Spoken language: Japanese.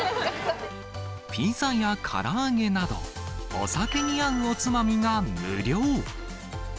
ピザやから揚げなど、お酒に合うおつまみが無料。